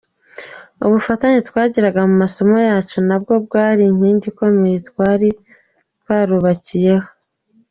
Ubufatanye twagiraga mu masomo yacu nabwo bwari inkingi ikomeye twari twarubakiyeho.